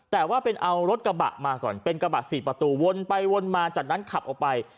แต่ว่าเป็นเอารถกระบะมาก่อนเป็นกระบะสี่ประตูวนไปวนมาจากนั้นขับออกไป